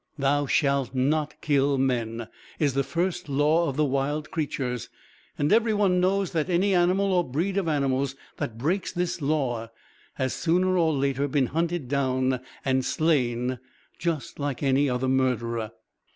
"Thou shall not kill men," is the first law of the wild creatures; and everyone knows that any animal or breed of animals that breaks this law has sooner or later been hunted down and slain just like any other murderer.